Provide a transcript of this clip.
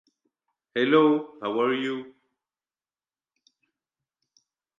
The hard part was walking out on the set naked and just standing there.